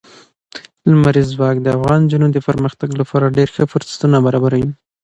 لمریز ځواک د افغان نجونو د پرمختګ لپاره ډېر ښه فرصتونه برابروي.